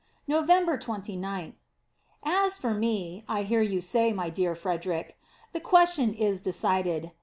November 29th. "As for me," I hear you say, my dear Frederic, "the question is decided.